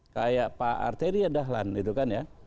kayak pak arteria dahlan itu kan ya